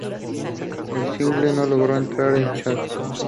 El single no logró entrar al chart.